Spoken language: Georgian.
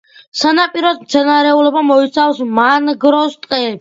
სანაპიროს მცენარეულობა მოიცავს მანგროს ტყეებს.